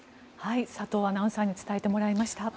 佐藤アナウンサーに伝えてもらいました。